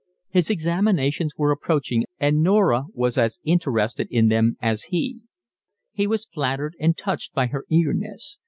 His examinations were approaching, and Norah was as interested in them as he. He was flattered and touched by her eagerness.